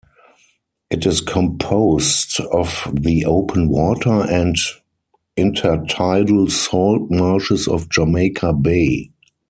It is composed of the open water and intertidal salt marshes of Jamaica Bay.